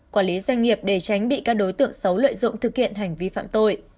quản lý doanh nghiệp để tránh bị các đối tượng xấu lợi dụng thực hiện hành vi phạm tội